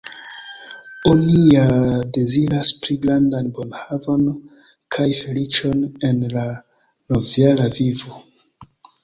Oni ja deziras pli grandan bonhavon kaj feliĉon en la novjara vivo.